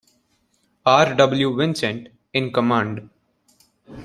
R. W. Vincent in command.